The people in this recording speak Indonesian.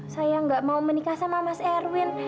saya nggak mau menikah sama mas erwin